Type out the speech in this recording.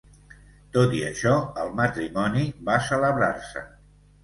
Tot i això el matrimoni va celebrar-se.